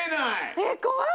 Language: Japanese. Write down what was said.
えっ怖い！